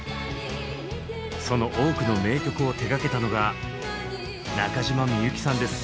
その多くの名曲を手がけたのが中島みゆきさんです。